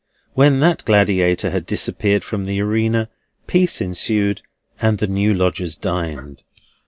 When that gladiator had disappeared from the arena, peace ensued, and the new lodgers dined.